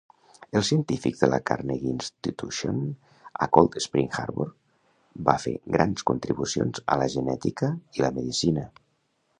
Els científics de la Carnegie Institution a Cold Spring Harbor va fer grans contribucions a la genètica i la medicina.